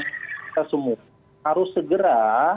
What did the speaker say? kita semua harus segera